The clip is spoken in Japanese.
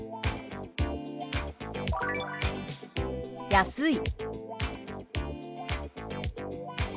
「安い」。